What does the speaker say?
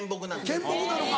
県木なのか。